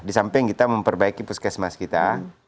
disamping kita memperbaiki puskesmas kita